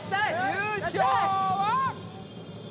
優勝は？